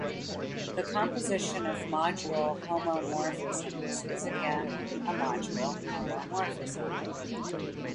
The composition of module homomorphisms is again a module homomorphism.